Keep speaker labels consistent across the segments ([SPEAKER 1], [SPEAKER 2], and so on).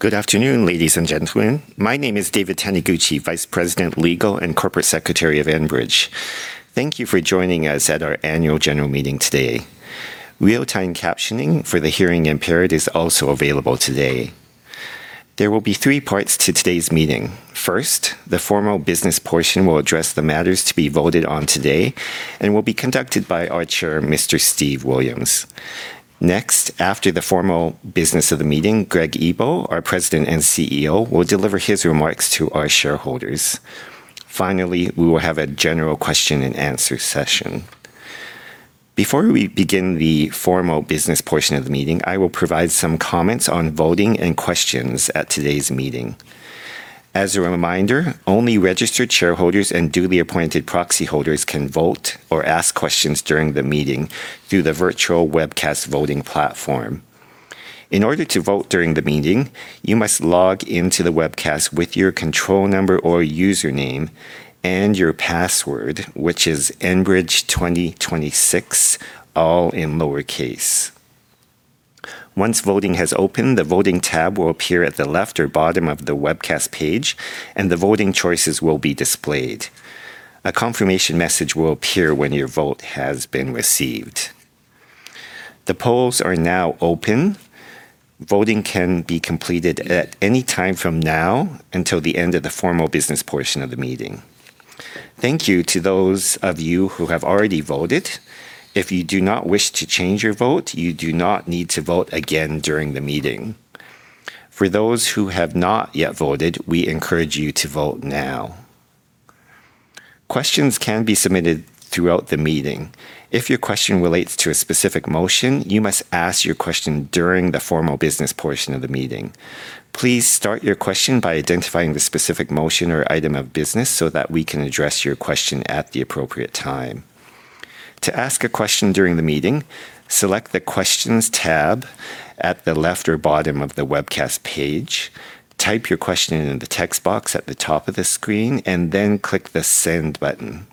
[SPEAKER 1] Good afternoon, ladies and gentlemen. My name is David Taniguchi, Vice President, Legal & Corporate Secretary of Enbridge. Thank you for joining us at our annual general meeting today. Real-time captioning for the hearing impaired is also available today. There will be three parts to today's meeting. First, the formal business portion will address the matters to be voted on today and will be conducted by our Chair, Mr. Steve Williams. Next, after the formal business of the meeting, Greg Ebel, our President and CEO, will deliver his remarks to our shareholders. Finally, we will have a general question and answer session. Before we begin the formal business portion of the meeting, I will provide some comments on voting and questions at today's meeting. As a reminder, only registered shareholders and duly appointed proxy holders can vote or ask questions during the meeting through the virtual webcast voting platform. In order to vote during the meeting, you must log into the webcast with your control number or username and your password, which is enbridge2026, all in lowercase. Once voting has opened, the voting tab will appear at the left or bottom of the webcast page, and the voting choices will be displayed. A confirmation message will appear when your vote has been received. The polls are now open. Voting can be completed at any time from now until the end of the formal business portion of the meeting. Thank you to those of you who have already voted. If you do not wish to change your vote, you do not need to vote again during the meeting. For those who have not yet voted, we encourage you to vote now. Questions can be submitted throughout the meeting. If your question relates to a specific motion, you must ask your question during the formal business portion of the meeting. Please start your question by identifying the specific motion or item of business so that we can address your question at the appropriate time. To ask a question during the meeting, select the Questions tab at the left or bottom of the webcast page, type your question in the text box at the top of the screen, and then click the Send button.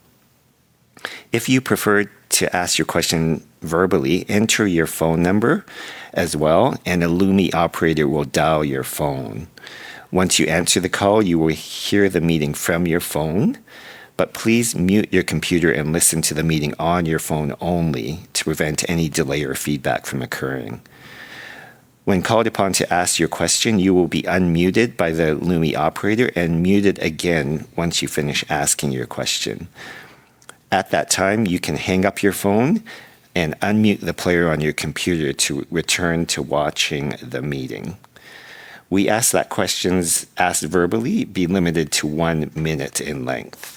[SPEAKER 1] If you prefer to ask your question verbally, enter your phone number as well, and a Lumi operator will dial your phone. Once you answer the call, you will hear the meeting from your phone. Please mute your computer and listen to the meeting on your phone only to prevent any delay or feedback from occurring. When called upon to ask your question, you will be unmuted by the Lumi operator and muted again once you finish asking your question. At that time, you can hang up your phone and unmute the player on your computer to return to watching the meeting. We ask that questions asked verbally be limited to one minute in length.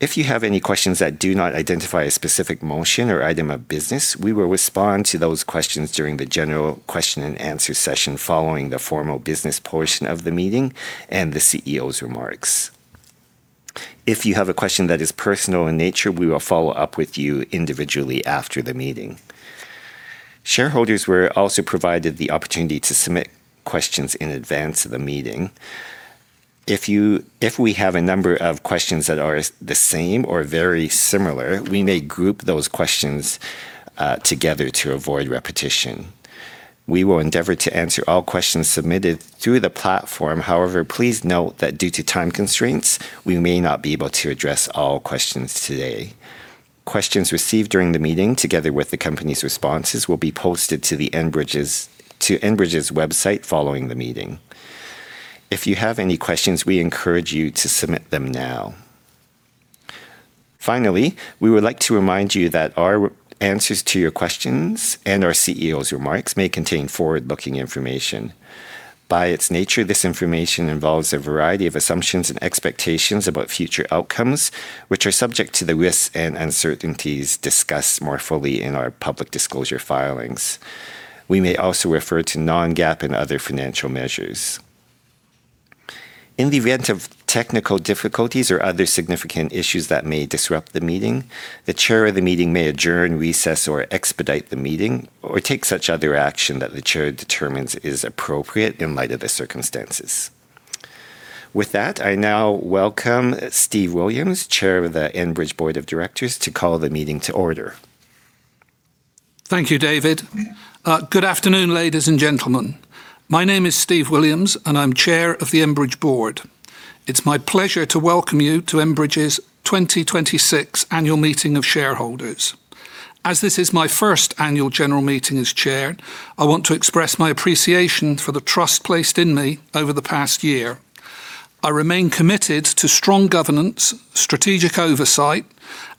[SPEAKER 1] If you have any questions that do not identify a specific motion or item of business, we will respond to those questions during the general question and answer session following the formal business portion of the meeting and the CEO's remarks. If you have a question that is personal in nature, we will follow up with you individually after the meeting. Shareholders were also provided the opportunity to submit questions in advance of the meeting. If we have a number of questions that are the same or very similar, we may group those questions together to avoid repetition. We will endeavor to answer all questions submitted through the platform. However, please note that due to time constraints, we may not be able to address all questions today. Questions received during the meeting, together with the company's responses, will be posted to Enbridge's website following the meeting. If you have any questions, we encourage you to submit them now. Finally, we would like to remind you that our answers to your questions and our CEO's remarks may contain forward-looking information. By its nature, this information involves a variety of assumptions and expectations about future outcomes, which are subject to the risks and uncertainties discussed more fully in our public disclosure filings. We may also refer to non-GAAP and other financial measures. In the event of technical difficulties or other significant issues that may disrupt the meeting, the Chair of the meeting may adjourn, recess, or expedite the meeting, or take such other action that the Chair determines is appropriate in light of the circumstances. With that, I now welcome Steven Williams, Chair of the Enbridge Board of Directors, to call the meeting to order.
[SPEAKER 2] Thank you, David. Good afternoon, ladies and gentlemen. My name is Steven Williams, and I'm Chair of the Enbridge Board. It's my pleasure to welcome you to Enbridge's 2026 Annual Meeting of Shareholders. As this is my first annual general meeting as Chair, I want to express my appreciation for the trust placed in me over the past year. I remain committed to strong governance, strategic oversight,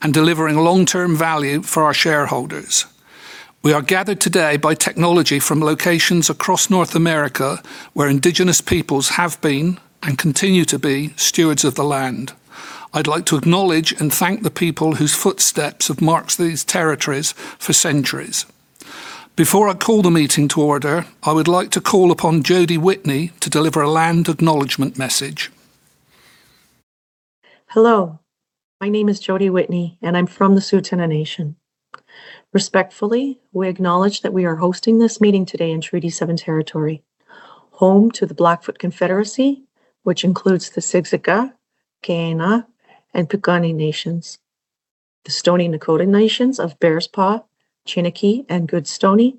[SPEAKER 2] and delivering long-term value for our shareholders. We are gathered today by technology from locations across North America, where Indigenous peoples have been and continue to be stewards of the land. I'd like to acknowledge and thank the people whose footsteps have marked these territories for centuries. Before I call the meeting to order, I would like to call upon Jody Whitney to deliver a land acknowledgement message.
[SPEAKER 3] Hello. My name is Jody Whitney, and I'm from the Tsuut'ina Nation. Respectfully, we acknowledge that we are hosting this meeting today in Treaty Seven territory, home to the Blackfoot Confederacy, which includes the Siksika, Kainai, and Piikani nations, the Stoney Nakoda Nations of Bearspaw, Chiniki, and Goodstoney,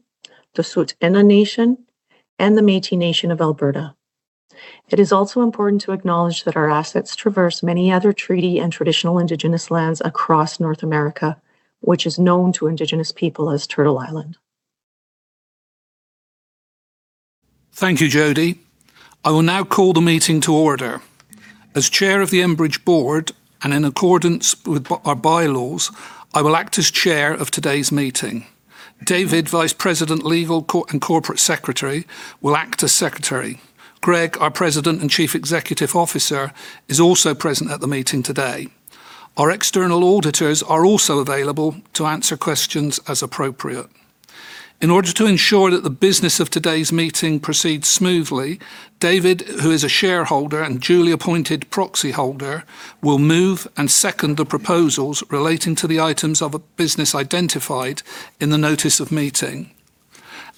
[SPEAKER 3] the Tsuut'ina Nation, and the Métis Nation of Alberta. It is also important to acknowledge that our assets traverse many other treaty and traditional indigenous lands across North America, which is known to indigenous people as Turtle Island
[SPEAKER 2] Thank you, Jody. I will now call the meeting to order. As Chair of the Enbridge Board, and in accordance with our bylaws, I will act as Chair of today's meeting. David, Vice President, Legal & Corporate Secretary, will act as Secretary. Greg, our President and Chief Executive Officer, is also present at the meeting today. Our external auditors are also available to answer questions as appropriate. In order to ensure that the business of today's meeting proceeds smoothly, David, who is a shareholder and duly appointed proxyholder, will move and second the proposals relating to the items of a business identified in the notice of meeting.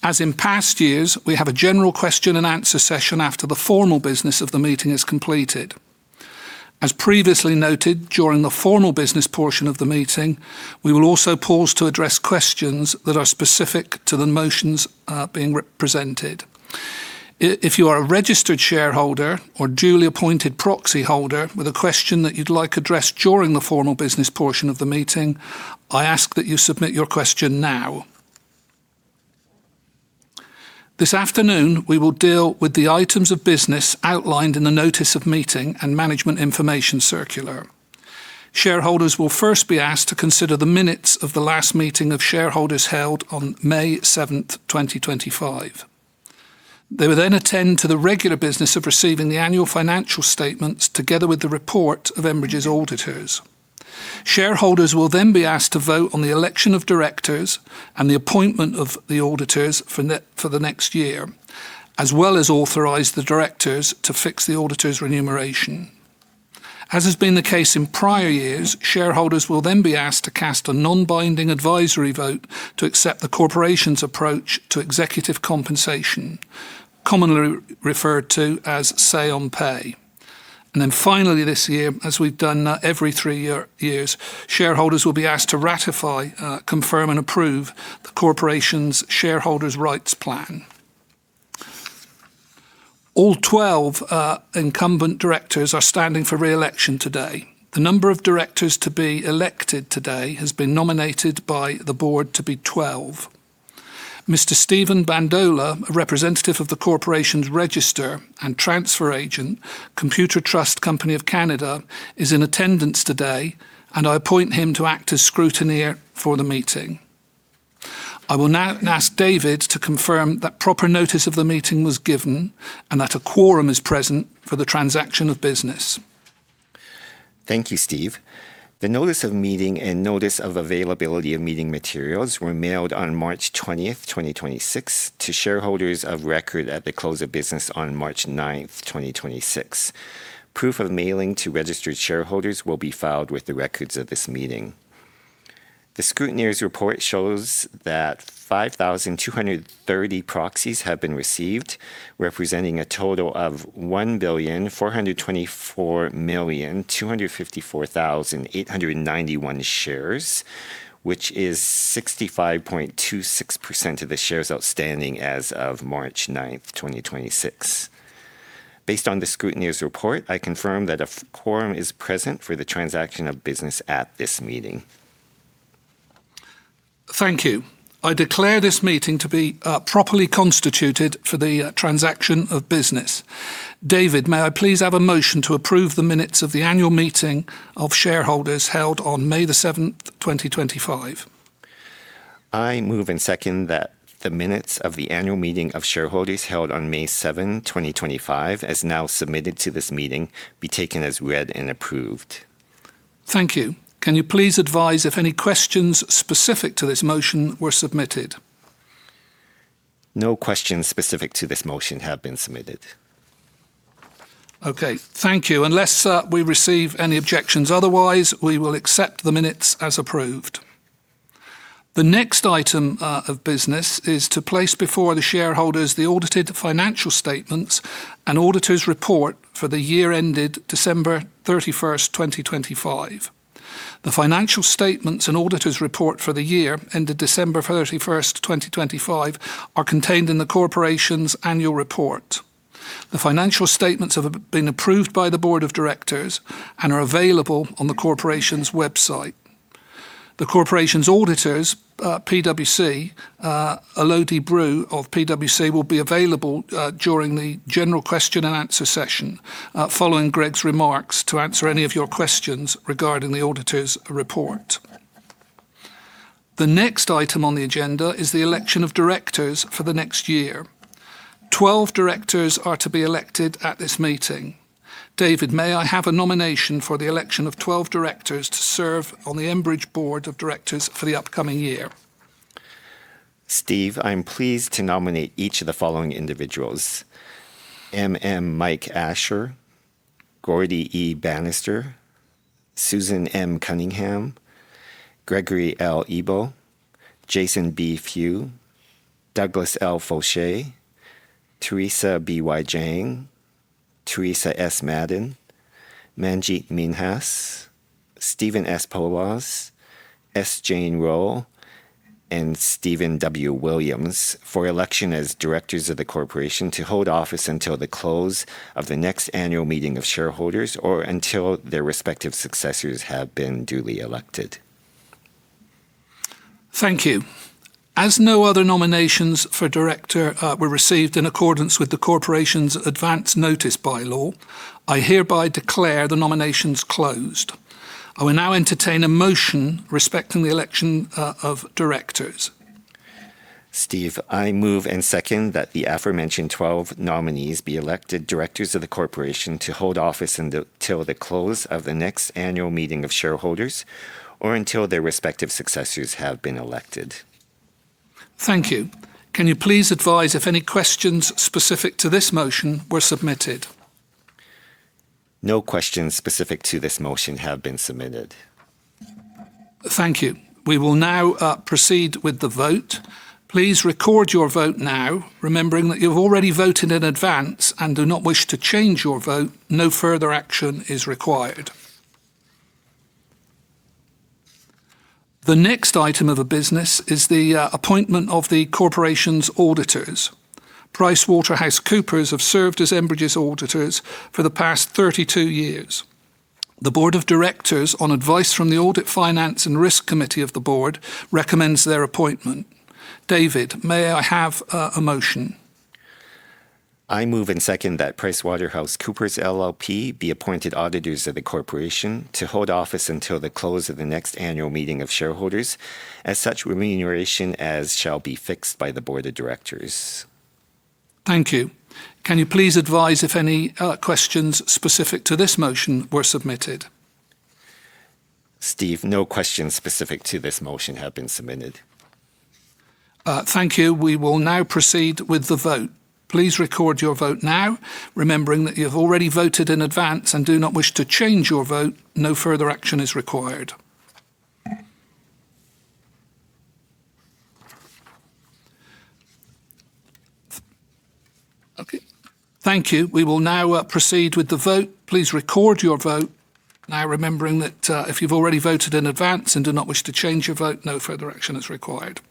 [SPEAKER 2] As in past years, we have a general question-and-answer session after the formal business of the meeting is completed. As previously noted, during the formal business portion of the meeting, we will also pause to address questions that are specific to the motions being re-presented. If you are a registered shareholder or duly appointed proxyholder with a question that you'd like addressed during the formal business portion of the meeting, I ask that you submit your question now. This afternoon, we will deal with the items of business outlined in the notice of meeting and Management Information Circular. Shareholders will first be asked to consider the minutes of the last meeting of shareholders held on May 7th, 2025. They will then attend to the regular business of receiving the annual financial statements together with the report of Enbridge's auditors. Shareholders will then be asked to vote on the election of directors and the appointment of the auditors for the next year, as well as authorize the directors to fix the auditors' remuneration. As has been the case in prior years, shareholders will then be asked to cast a non-binding advisory vote to accept the corporation's approach to executive compensation, commonly referred to as say on pay. Finally this year, as we've done every three years, shareholders will be asked to ratify, confirm and approve the corporation's Shareholder Rights Plan. All 12 incumbent directors are standing for re-election today. The number of directors to be elected today has been nominated by the board to be 12. Mr. Stephen Bandola, a representative of the corporation's register and transfer agent, Computershare Trust Company of Canada, is in attendance today, and I appoint him to act as scrutineer for the meeting. I will now ask David to confirm that proper notice of the meeting was given and that a quorum is present for the transaction of business.
[SPEAKER 1] Thank you, Steve. The notice of meeting and notice of availability of meeting materials were mailed on March 20th, 2026, to shareholders of record at the close of business on March 9th, 2026. Proof of mailing to registered shareholders will be filed with the records of this meeting. The scrutineer's report shows that 5,230 proxies have been received, representing a total of 1,424,254,891 shares, which is 65.26% of the shares outstanding as of March 9th, 2026. Based on the scrutineer's report, I confirm that a quorum is present for the transaction of business at this meeting.
[SPEAKER 2] Thank you. I declare this meeting to be properly constituted for the transaction of business. David, may I please have a motion to approve the minutes of the annual meeting of shareholders held on May the 7th, 2025?
[SPEAKER 1] I move and second that the minutes of the annual meeting of shareholders held on May 7, 2025, as now submitted to this meeting, be taken as read and approved.
[SPEAKER 2] Thank you. Can you please advise if any questions specific to this motion were submitted?
[SPEAKER 1] No questions specific to this motion have been submitted.
[SPEAKER 2] Okay, thank you. Unless we receive any objections otherwise, we will accept the minutes as approved. The next item of business is to place before the shareholders the audited financial statements and auditors' report for the year ended December 31st, 2025. The financial statements and auditors' report for the year ended December 31st, 2025, are contained in the corporation's annual report. The financial statements have been approved by the board of directors and are available on the corporation's website. The corporation's auditors, PwC, Alodie Brew of PwC will be available during the general question-and-answer session following Greg's remarks, to answer any of your questions regarding the auditors' report. The next item on the agenda is the election of directors for the next year. 12 directors are to be elected at this meeting. David, may I have a nomination for the election of 12 directors to serve on the Enbridge Board of Directors for the upcoming year?
[SPEAKER 1] Steve, I'm pleased to nominate each of the following individuals: M.M. Mike Ashar, Gaurdie E. Banister, Susan M. Cunningham, Gregory L. Ebel, Jason B. Few, Douglas L. Foshee, Theresa B.Y. Jang, Teresa S. Madden, Manjit Minhas, Stephen S. Poloz, S. Jane Rowe, and Steven W. Williams for election as directors of the corporation to hold office until the close of the next annual meeting of shareholders or until their respective successors have been duly elected.
[SPEAKER 2] Thank you. As no other nominations for director were received in accordance with the corporation's advanced notice bylaw, I hereby declare the nominations closed. I will now entertain a motion respecting the election of directors.
[SPEAKER 1] Steve, I move and second that the aforementioned 12 nominees be elected directors of the corporation to hold office until the close of the next annual meeting of shareholders or until their respective successors have been elected.
[SPEAKER 2] Thank you. Can you please advise if any questions specific to this motion were submitted?
[SPEAKER 1] No questions specific to this motion have been submitted.
[SPEAKER 2] Thank you. We will now proceed with the vote. Please record your vote now, remembering that you've already voted in advance and do not wish to change your vote, no further action is required. The next item of business is the appointment of the corporation's auditors. PricewaterhouseCoopers have served as Enbridge's auditors for the past 32 years. The board of directors, on advice from the Audit, Finance & Risk Committee of the board, recommends their appointment. David, may I have a motion?
[SPEAKER 1] I move and second that PricewaterhouseCoopers LLP be appointed auditors of the corporation to hold office until the close of the next annual meeting of shareholders at such remuneration as shall be fixed by the board of directors.
[SPEAKER 2] Thank you. Can you please advise if any questions specific to this motion were submitted?
[SPEAKER 1] Steve, no questions specific to this motion have been submitted.
[SPEAKER 2] Thank you. We will now proceed with the vote. Please record your vote now, remembering that you've already voted in advance and do not wish to change your vote, no further action is required. Okay, thank you. We will now proceed with the vote. Please record your vote now, remembering that if you've already voted in advance and do not wish to change your vote, no further action is required.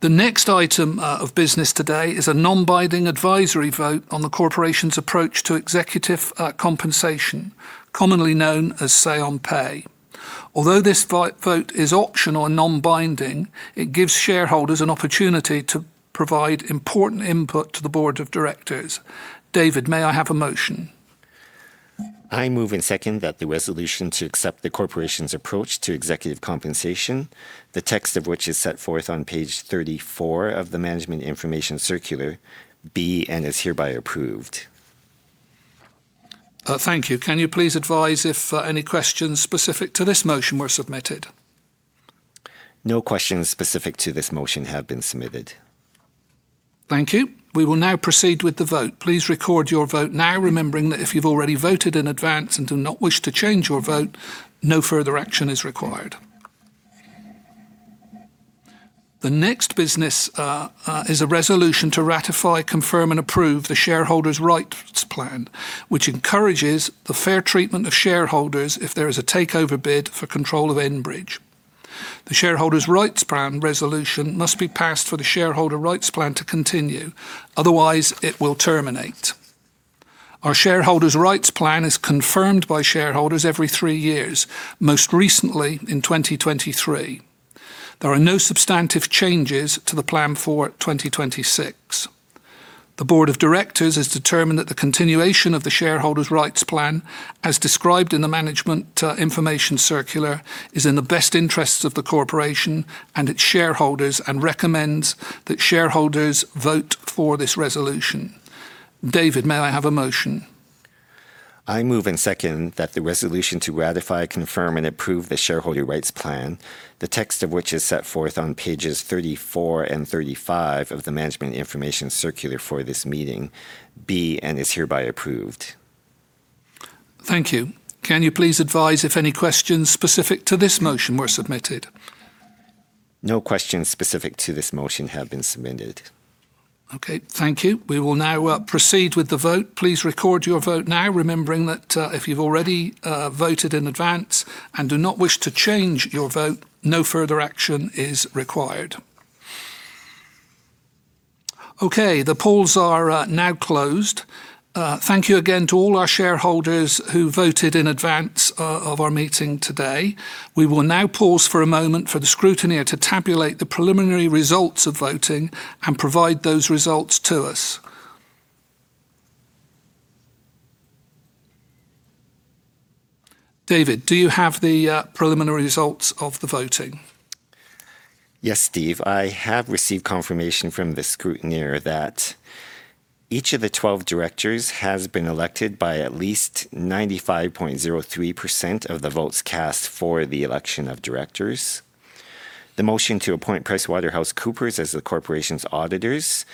[SPEAKER 2] The next item of business today is a non-binding advisory vote on the corporation's approach to executive compensation, commonly known as say on pay. Although this vote is optional and non-binding, it gives shareholders an opportunity to provide important input to the board of directors. David, may I have a motion?
[SPEAKER 1] I move and second that the resolution to accept the corporation's approach to executive compensation, the text of which is set forth on page 34 of the Management Information Circular, be and is hereby approved.
[SPEAKER 2] Thank you. Can you please advise if any questions specific to this motion were submitted?
[SPEAKER 1] No questions specific to this motion have been submitted.
[SPEAKER 2] Thank you. We will now proceed with the vote. Please record your vote now, remembering that if you've already voted in advance and do not wish to change your vote, no further action is required. The next business is a resolution to ratify, confirm, and approve the Shareholder Rights Plan, which encourages the fair treatment of shareholders if there is a takeover bid for control of Enbridge. The Shareholder Rights Plan resolution must be passed for the Shareholder Rights Plan to continue. Otherwise, it will terminate. Our Shareholder Rights Plan is confirmed by shareholders every three years, most recently in 2023. There are no substantive changes to the plan for 2026. The board of directors has determined that the continuation of the Shareholder Rights Plan, as described in the Management, Information Circular, is in the best interests of the corporation and its shareholders and recommends that shareholders vote for this resolution. David, may I have a motion?
[SPEAKER 1] I move and second that the resolution to ratify, confirm, and approve the Shareholder Rights Plan, the text of which is set forth on pages 34 and 35 of the Management Information Circular for this meeting, be and is hereby approved.
[SPEAKER 2] Thank you. Can you please advise if any questions specific to this motion were submitted?
[SPEAKER 1] No questions specific to this motion have been submitted.
[SPEAKER 2] Okay, thank you. We will now proceed with the vote. Please record your vote now, remembering that if you've already voted in advance and do not wish to change your vote, no further action is required. Okay, the polls are now closed. Thank you again to all our shareholders who voted in advance of our meeting today. We will now pause for a moment for the scrutineer to tabulate the preliminary results of voting and provide those results to us. David, do you have the preliminary results of the voting?
[SPEAKER 1] Yes, Steve. I have received confirmation from the scrutineer that each of the 12 directors has been elected by at least 95.03% of the votes cast for the election of directors. The motion to appoint PricewaterhouseCoopers as the corporation's auditors,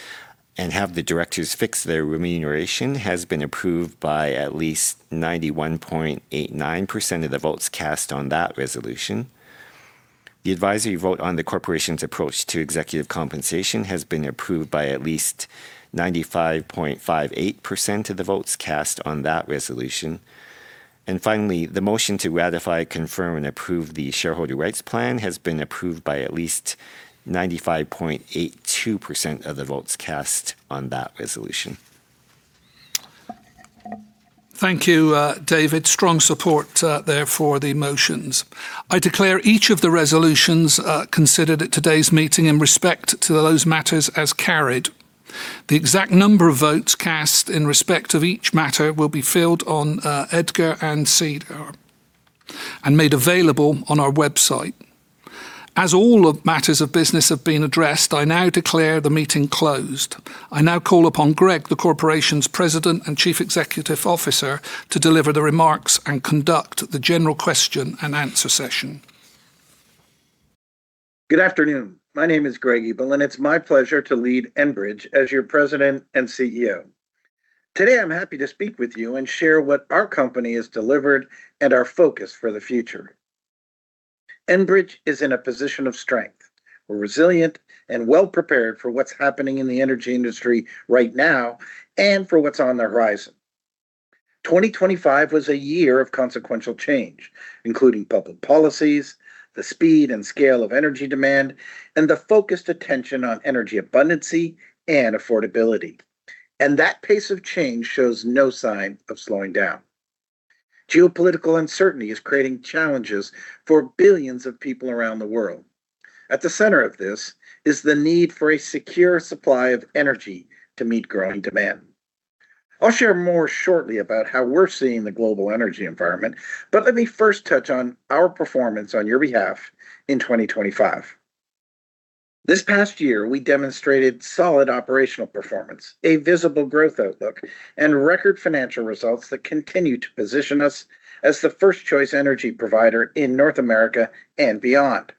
[SPEAKER 1] and have the directors fix their remuneration has been approved by at least 91.89% of the votes cast on that resolution. The advisory vote on the corporation's approach to executive compensation has been approved by at least 95.58% of the votes cast on that resolution. Finally, the motion to ratify, confirm, and approve the Shareholder Rights Plan has been approved by at least 95.82% of the votes cast on that resolution.
[SPEAKER 2] Thank you, David. Strong support there for the motions. I declare each of the resolutions considered at today's meeting in respect to those matters as carried. The exact number of votes cast in respect of each matter will be filed on EDGAR and SEDAR and made available on our website. As all matters of business have been addressed, I now declare the meeting closed. I now call upon Greg, the corporation's President and Chief Executive Officer, to deliver the remarks and conduct the general question and answer session.
[SPEAKER 4] Good afternoon. My name is Greg Ebel, and it's my pleasure to lead Enbridge as your President and CEO. Today, I'm happy to speak with you and share what our company has delivered and our focus for the future. Enbridge is in a position of strength. We're resilient and well-prepared for what's happening in the energy industry right now and for what's on the horizon. 2025 was a year of consequential change, including public policies, the speed and scale of energy demand, and the focused attention on energy abundancy and affordability. That pace of change shows no sign of slowing down. Geopolitical uncertainty is creating challenges for billions of people around the world. At the center of this is the need for a secure supply of energy to meet growing demand. I'll share more shortly about how we're seeing the global energy environment, but let me first touch on our performance on your behalf in 2025. This past year, we demonstrated solid operational performance, a visible growth outlook, and record financial results that continue to position us as the first-choice energy provider in North America and beyond.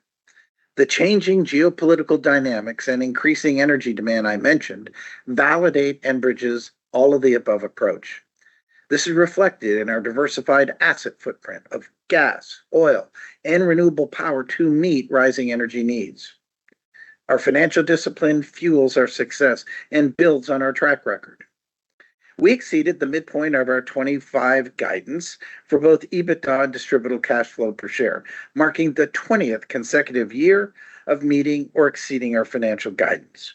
[SPEAKER 4] The changing geopolitical dynamics and increasing energy demand I mentioned validate Enbridge's all-of-the-above approach. This is reflected in our diversified asset footprint of gas, oil, and renewable power to meet rising energy needs. Our financial discipline fuels our success and builds on our track record. We exceeded the midpoint of our 2025 guidance for both EBITDA and distributable cash flow per share, marking the 20th consecutive year of meeting or exceeding our financial guidance.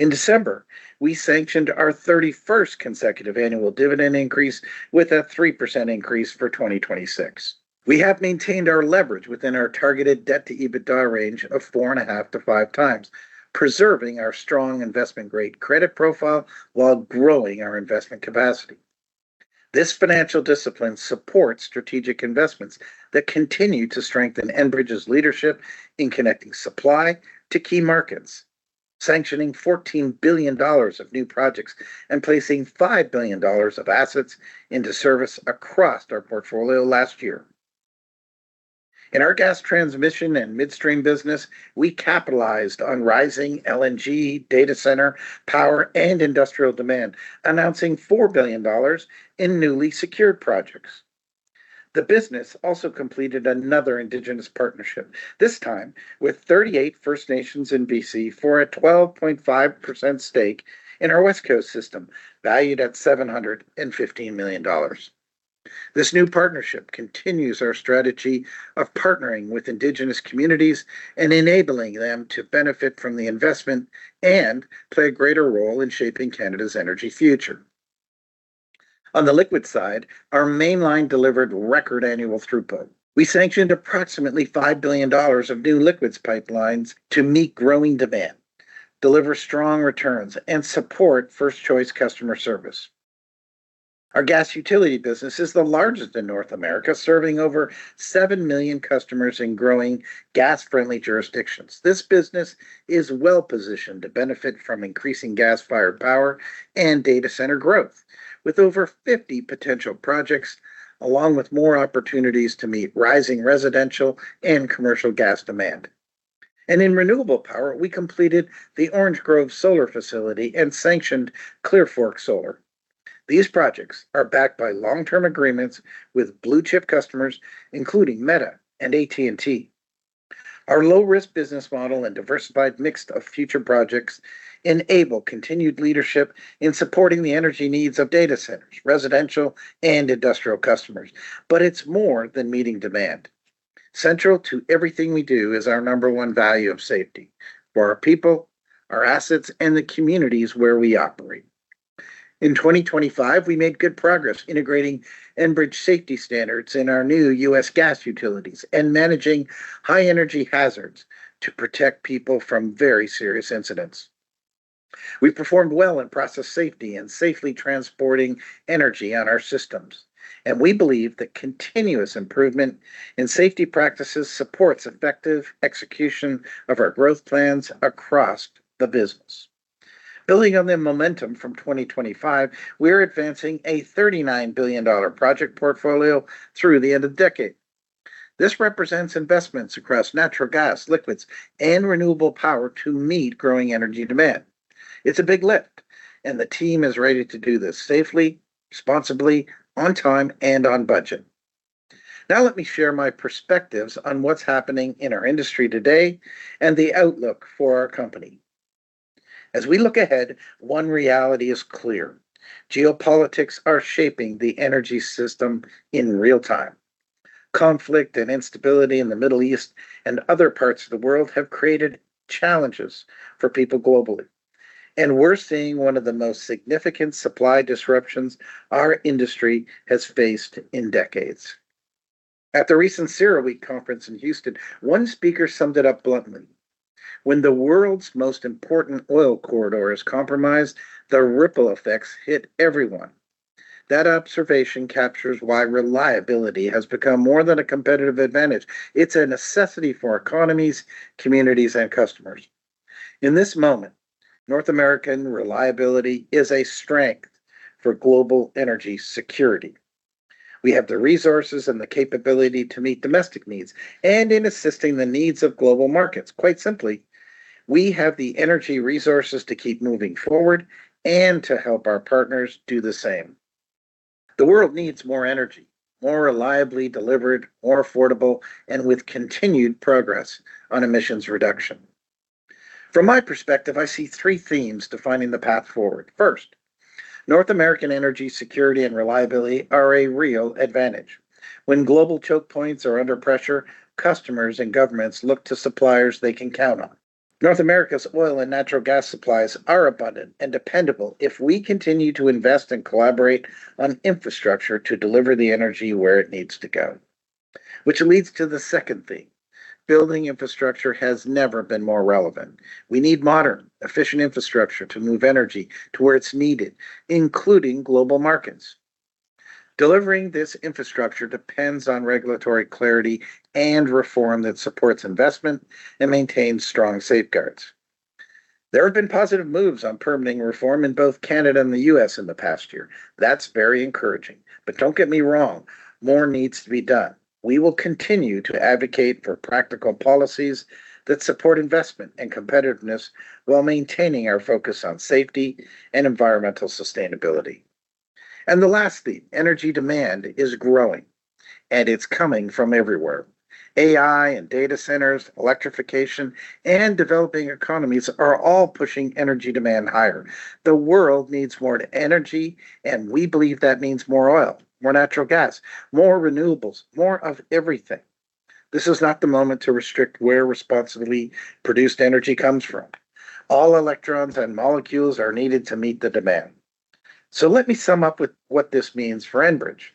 [SPEAKER 4] In December, we sanctioned our 31st consecutive annual dividend increase with a 3% increase for 2026. We have maintained our leverage within our targeted debt-to-EBITDA range of 4.5x to 5x, preserving our strong investment-grade credit profile while growing our investment capacity. This financial discipline supports strategic investments that continue to strengthen Enbridge's leadership in connecting supply to key markets, sanctioning 14 billion dollars of new projects and placing 5 billion dollars of assets into service across our portfolio last year. In our Gas Transmission and Midstream business, we capitalized on rising LNG, data center, power, and industrial demand, announcing 4 billion dollars in newly secured projects. The business also completed another Indigenous partnership, this time with 38 First Nations in BC for a 12.5% stake in our Westcoast system, valued at 715 million dollars. This new partnership continues our strategy of partnering with Indigenous communities and enabling them to benefit from the investment and play a greater role in shaping Canada's energy future. On the liquid side, our Mainline delivered record annual throughput. We sanctioned approximately 5 billion dollars of new liquids pipelines to meet growing demand, deliver strong returns, and support first-choice customer service. Our gas utility business is the largest in North America, serving over 7 million customers in growing gas-friendly jurisdictions. This business is well-positioned to benefit from increasing gas-fired power and data center growth, with over 50 potential projects, along with more opportunities to meet rising residential and commercial gas demand. In renewable power, we completed the Orange Grove Solar and sanctioned Clear Fork Solar. These projects are backed by long-term agreements with blue-chip customers, including Meta and AT&T. Our low-risk business model and diversified mix of future projects enable continued leadership in supporting the energy needs of data centers, residential, and industrial customers. It's more than meeting demand. Central to everything we do is our number one value of safety for our people, our assets, and the communities where we operate. In 2025, we made good progress integrating Enbridge safety standards in our new US gas utilities and managing high-energy hazards to protect people from very serious incidents. We performed well in process safety and safely transporting energy on our systems, and we believe that continuous improvement in safety practices supports effective execution of our growth plans across the business. Building on the momentum from 2025, we are advancing a 39 billion dollar project portfolio through the end of the decade. This represents investments across natural gas, liquids, and renewable power to meet growing energy demand. It's a big lift, and the team is ready to do this safely, responsibly, on time, and on budget. Now let me share my perspectives on what's happening in our industry today and the outlook for our company. As we look ahead, one reality is clear: geopolitics are shaping the energy system in real time. Conflict and instability in the Middle East and other parts of the world have created challenges for people globally, and we're seeing one of the most significant supply disruptions our industry has faced in decades. At the recent CERAWeek conference in Houston, one speaker summed it up bluntly: when the world's most important oil corridor is compromised, the ripple effects hit everyone. That observation captures why reliability has become more than a competitive advantage. It's a necessity for economies, communities, and customers. In this moment, North American reliability is a strength for global energy security. We have the resources and the capability to meet domestic needs and in assisting the needs of global markets. Quite simply, we have the energy resources to keep moving forward and to help our partners do the same. The world needs more energy, more reliably delivered, more affordable, and with continued progress on emissions reduction. From my perspective, I see three themes defining the path forward. First, North American energy security and reliability are a real advantage. When global choke points are under pressure, customers and governments look to suppliers they can count on. North America's oil and natural gas supplies are abundant and dependable if we continue to invest and collaborate on infrastructure to deliver the energy where it needs to go. Which leads to the second theme: building infrastructure has never been more relevant. We need modern, efficient infrastructure to move energy to where it's needed, including global markets. Delivering this infrastructure depends on regulatory clarity and reform that supports investment and maintains strong safeguards. There have been positive moves on permitting reform in both Canada and the U.S. in the past year. That's very encouraging. Don't get me wrong, more needs to be done. We will continue to advocate for practical policies that support investment and competitiveness while maintaining our focus on safety and environmental sustainability. The last theme, energy demand is growing, and it's coming from everywhere. AI and data centers, electrification, and developing economies are all pushing energy demand higher. The world needs more energy, and we believe that means more oil, more natural gas, more renewables, more of everything. This is not the moment to restrict where responsibly produced energy comes from. All electrons and molecules are needed to meet the demand. Let me sum up with what this means for Enbridge.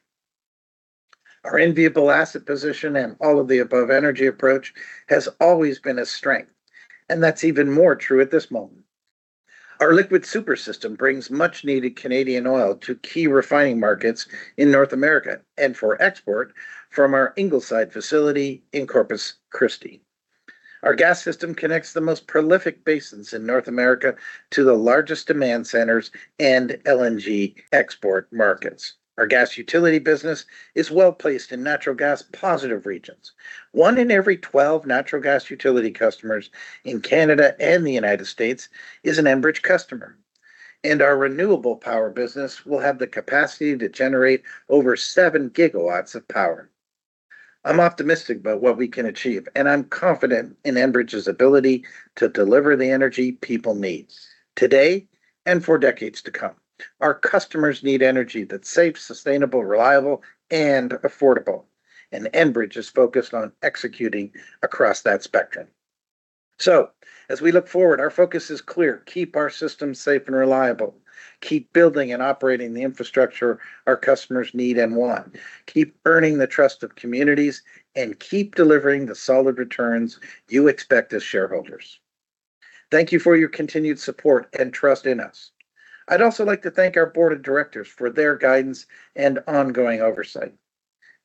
[SPEAKER 4] Our enviable asset position and all-of-the-above energy approach has always been a strength, and that's even more true at this moment. Our liquid super system brings much-needed Canadian oil to key refining markets in North America and for export from our Ingleside facility in Corpus Christi. Our gas system connects the most prolific basins in North America to the largest demand centers and LNG export markets. Our gas utility business is well-placed in natural gas-positive regions. One in every 12 natural gas utility customers in Canada and the United States is an Enbridge customer. Our renewable power business will have the capacity to generate over 7 GW of power. I'm optimistic about what we can achieve, and I'm confident in Enbridge's ability to deliver the energy people need today and for decades to come. Our customers need energy that's safe, sustainable, reliable, and affordable, and Enbridge is focused on executing across that spectrum. As we look forward, our focus is clear: keep our system safe and reliable, keep building and operating the infrastructure our customers need and want, keep earning the trust of communities, and keep delivering the solid returns you expect as shareholders. Thank you for your continued support and trust in us. I'd also like to thank our board of directors for their guidance and ongoing oversight.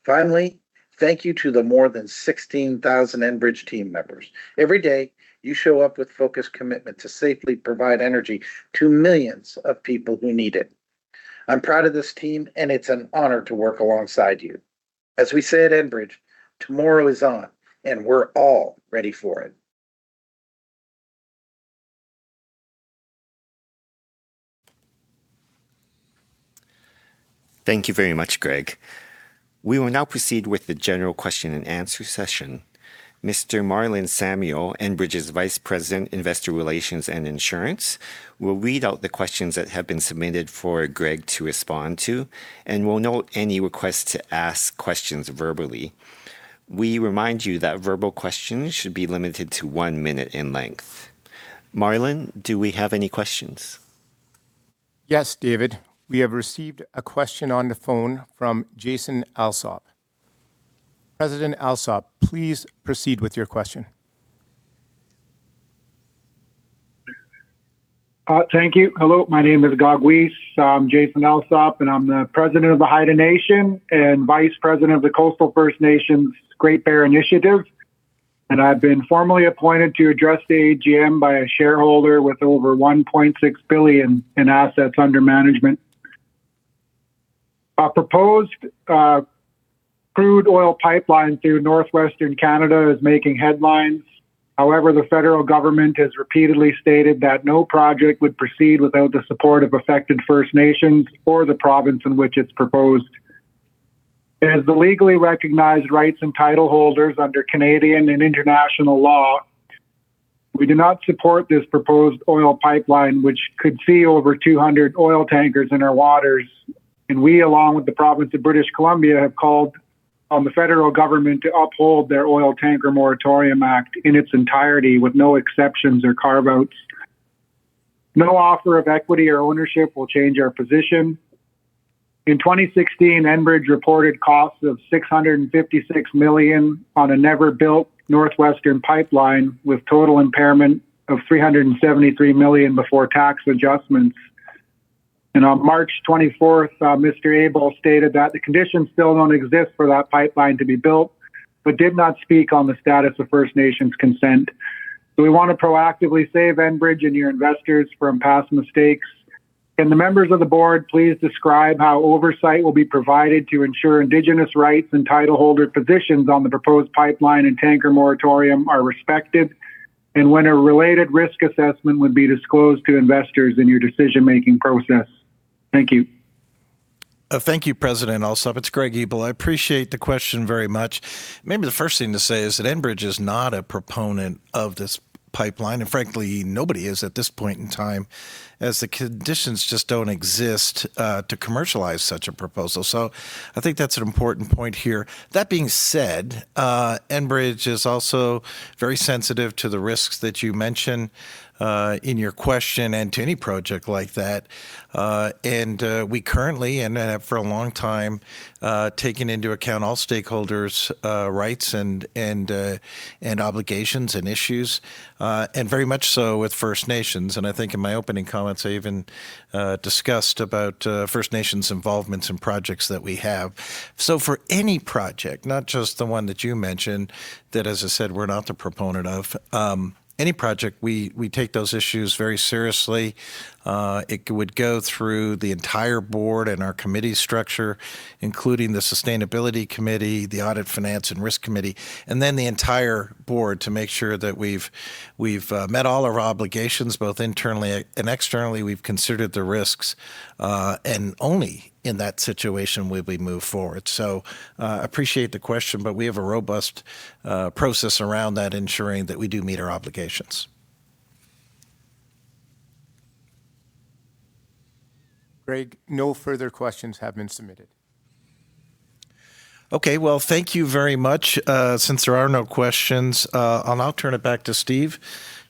[SPEAKER 4] Finally, thank you to the more than 16,000 Enbridge team members. Every day you show up with focused commitment to safely provide energy to millions of people who need it. I'm proud of this team, and it's an honor to work alongside you. As we say at Enbridge, tomorrow is on, and we're all ready for it.
[SPEAKER 1] Thank you very much, Greg. We will now proceed with the general question and answer session. Mr. Marlon Samuel, Enbridge's Vice President, Investor Relations and Insurance, will read out the questions that have been submitted for Greg to respond to and will note any requests to ask questions verbally. We remind you that verbal questions should be limited to one minute in length. Marlon, do we have any questions?
[SPEAKER 5] Yes, David. We have received a question on the phone from Jason Alsop. President Alsop, please proceed with your question.
[SPEAKER 6] Thank you. Hello, my name is Gaagwiis. I'm Jason Alsop, and I'm the President of the Haida Nation and Vice President of the Coastal First Nations Great Bear Initiative, and I've been formally appointed to address the AGM by a shareholder with over 1.6 billion in assets under management. A proposed crude oil pipeline through Northwestern Canada is making headlines. However, the federal government has repeatedly stated that no project would proceed without the support of affected First Nations or the province in which it's proposed. As the legally recognized rights and title holders under Canadian and international law, we do not support this proposed oil pipeline which could see over 200 oil tankers in our waters. We, along with the province of British Columbia, have called on the federal government to uphold their Oil Tanker Moratorium Act in its entirety with no exceptions or carve-outs. No offer of equity or ownership will change our position. In 2016, Enbridge reported costs of 656 million on a never-built Northwestern pipeline with total impairment of 373 million before tax adjustments. On March 24th, Mr. Ebel stated that the conditions still don't exist for that pipeline to be built, but did not speak on the status of First Nations consent. We wanna proactively save Enbridge and your investors from past mistakes. Can the members of the board please describe how oversight will be provided to ensure indigenous rights and title holder positions on the proposed pipeline and tanker moratorium are respected, and when a related risk assessment would be disclosed to investors in your decision-making process? Thank you.
[SPEAKER 4] Thank you, President Alsop. It's Greg Ebel. I appreciate the question very much. Maybe the first thing to say is that Enbridge is not a proponent of this pipeline, and frankly, nobody is at this point in time, as the conditions just don't exist to commercialize such a proposal. I think that's an important point here. That being said, Enbridge is also very sensitive to the risks that you mention in your question and to any project like that. We currently, and have for a long time, taken into account all stakeholders' rights and obligations and issues, and very much so with First Nations. I think in my opening comments, I even discussed about First Nations' involvements in projects that we have. For any project, not just the one that you mentioned, that, as I said, we're not the proponent of, any project, we take those issues very seriously. It would go through the entire board and our committee structure, including the Sustainability Committee, the Audit, Finance & Risk Committee, and then the entire board to make sure that we've met all our obligations, both internally and externally, we've considered the risks. Only in that situation would we move forward. Appreciate the question, but we have a robust process around that, ensuring that we do meet our obligations.
[SPEAKER 5] Greg, no further questions have been submitted.
[SPEAKER 4] Okay. Well, thank you very much. Since there are no questions, I'll now turn it back to Steve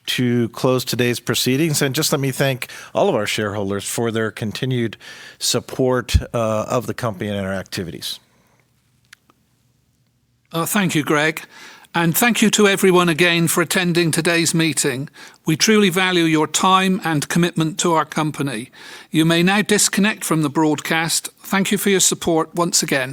[SPEAKER 4] to close today's proceedings. Just let me thank all of our shareholders for their continued support of the company and our activities.
[SPEAKER 2] Thank you, Greg Ebel, and thank you to everyone again for attending today's meeting. We truly value your time and commitment to our company. You may now disconnect from the broadcast. Thank you for your support once again.